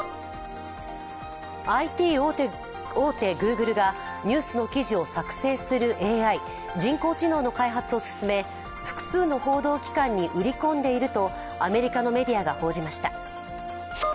ＩＴ大手Ｇｏｏｇｌｅがニュースの記事を作成するＡＩ＝人工知能の開発を進め複数の報道機関に売り込んでいるとアメリカのメディアが報じました。